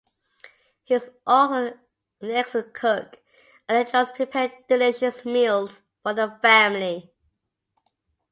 He is also an excellent cook and enjoys preparing delicious meals for the family.